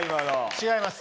違います。